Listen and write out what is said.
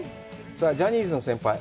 さあ、ジャニーズの先輩。